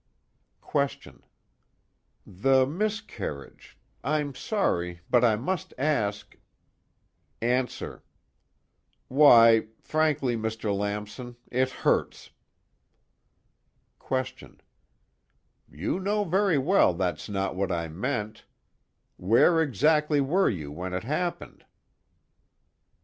QUESTION: The miscarriage I'm sorry, but I must ask ANSWER: Why, frankly, Mr. Lamson, it hurts. QUESTION: You know very well that's not what I meant. Where exactly were you when it happened?